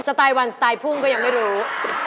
ไตล์วันสไตล์พุ่งก็ยังไม่รู้